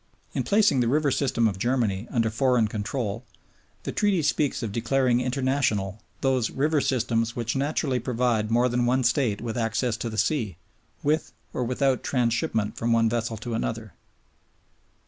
In placing the river system of Germany under foreign control, the Treaty speaks of declaring international those "river systems which naturally provide more than one State with access to the sea, with or without transhipment from one vessel to another."